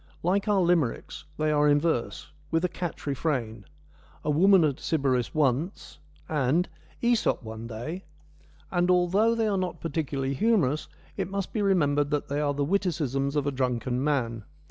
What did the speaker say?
Like our Limericks, they are in verse, with a catch refrain :' A woman at Sybaris once,' and ' Msop one day,' and although THE MILESIAN TALES 51 they are not particularly humorous, it must be remembered that they are the witticisms of a drunken man.